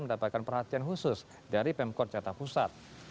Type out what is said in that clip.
mendapatkan perhatian khusus dari pemkot jakarta pusat